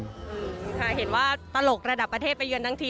ค่ะเห็นว่าตลกระดับประเทศไปเยือนทั้งที